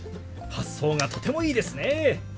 発想がとてもいいですね。